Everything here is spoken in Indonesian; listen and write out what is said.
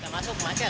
masuk ke macet